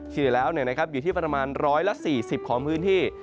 ที่แล้วอยู่ที่ประมาณ๑๔๐ของพื้นที่